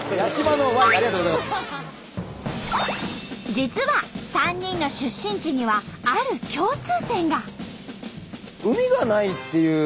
実は３人の出身地にはある共通点が。